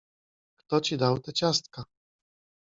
— Kto ci dał te ciastka?